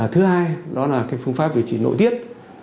thứ hai đó là phương pháp điều trị nội tiết